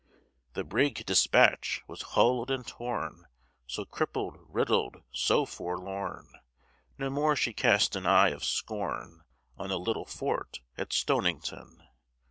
The brig Despatch was hull'd and torn So crippled, riddled, so forlorn, No more she cast an eye of scorn On the little fort at Stonington.